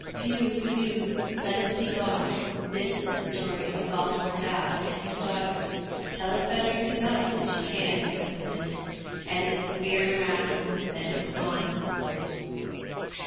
Whew! whew! Let us be gone! This is the story of Waldemar Daa and his daughters. Tell it better yourselves, if you can,' said the wind, as it veered round. Then it was gone.